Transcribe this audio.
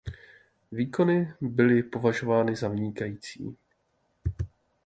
Výkony byly považovány za vynikající.